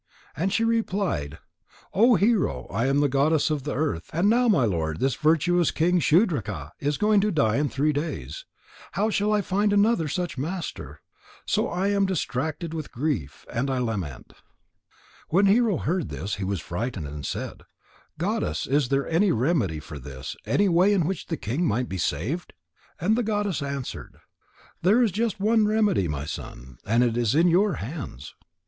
And she replied: "O Hero, I am the Goddess of the Earth, and now my lord, this virtuous King Shudraka, is going to die in three days. How shall I find another such master? So I am distracted with grief, and I lament." When Hero heard this, he was frightened and said: "Goddess, is there any remedy for this, any way in which the king might be saved?" And the goddess answered: "There is just one remedy, my son, and it is in your hands."